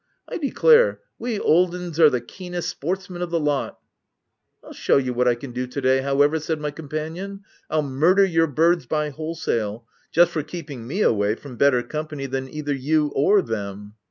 I declare, we old 'uns are the keenest sportsmen of the lot !"" I'll shew you what I can do to day, how ever," said my companion. " I'll murder your birds by wholesale, just for keeping me away from better company than either you or them."